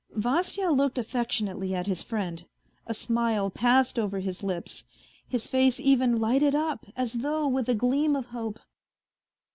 Vasya looked affectionately at his friend. A smile passed over his lips. His face even lighted up, as though with a gleam of hope.